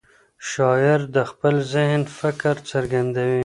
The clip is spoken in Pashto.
شاعر د خپل ذهن فکر څرګندوي.